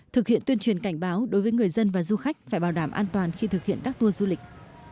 thực hiện tuyên truyền cảnh báo đối với người dân và du khách phải bảo đảm an toàn khi thực hiện các tour du lịch